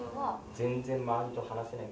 全然周りと話せない。